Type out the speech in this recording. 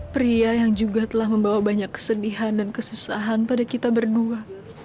pria yang juga telah membawa banyak kesedihan dan kesusahan pada kita berdua